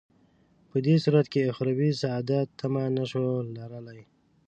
په دې صورت کې اخروي سعادت تمه نه شو لرلای.